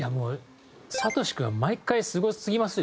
聡君は毎回すごすぎますよ。